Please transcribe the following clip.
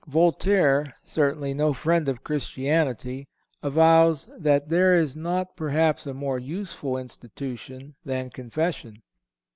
(465) Voltaire, certainly no friend of Christianity, avows "that there is not perhaps a more useful institution than confession."